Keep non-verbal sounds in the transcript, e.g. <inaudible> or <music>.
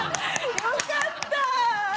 よかった <laughs>